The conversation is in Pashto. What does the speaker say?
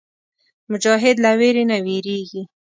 مجاهد له ویرې نه وېرېږي.